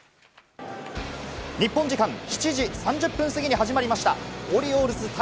日本時間７時３０分すぎに始まりましたオリオールズ対